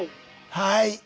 はい。